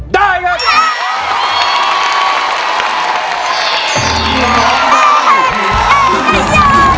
ได้แล้ว